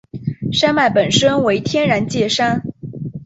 山脉本身为天然界山。